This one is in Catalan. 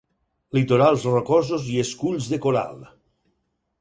Litorals rocosos i esculls de coral.